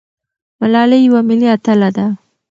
ملالۍ یوه ملي اتله ده.